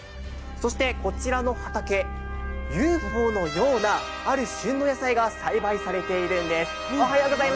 そしてこちらの畑、ＵＦＯのようなある旬の野菜が栽培されているんです。